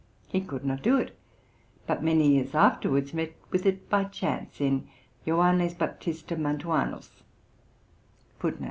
He could not do it; but many years afterwards met with it by chance in Johannes Baptista Mantuanus.